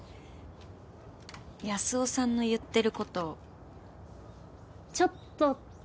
安生さんの言ってることちょっと。